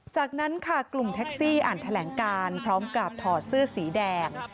จากนั้นค่ะกลุ่มแท็กซี่อ่านแถลงการพร้อมกับถอดเสื้อสีแดง